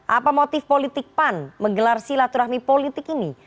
apa motif politik pan menggelar silaturahmi politik ini